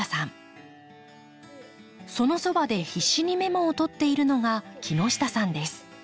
そのそばで必死にメモを取っているのが木下さんです。